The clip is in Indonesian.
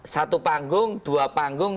satu panggung dua panggung